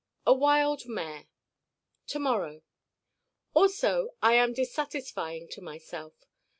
A wild mare To morrow Also I am dissatisfying to myself.